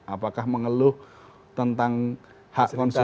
apakah mengeluh tentang hak konsumen